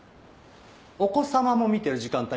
お子様も見てる時間帯よ。